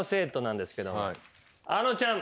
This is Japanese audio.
あのちゃん。